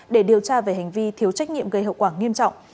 để điều tra về hành vi thiếu trách nhiệm gây hậu quả nghiêm trọng